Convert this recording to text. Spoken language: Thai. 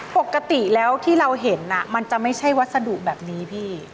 ปกติแล้วที่เราเห็นมันจะไม่ใช่วัสดุแบบนี้พี่